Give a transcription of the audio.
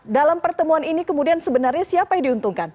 dalam pertemuan ini kemudian sebenarnya siapa yang diuntungkan